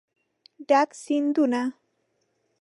ډک سیندونه